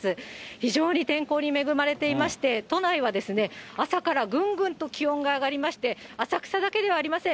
非常に天候に恵まれていまして、都内は朝からぐんぐんと気温が上がりまして、浅草だけではありません。